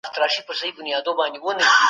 د احمد شاه بابا پوځ د کومو څخه خلګو جوړ و؟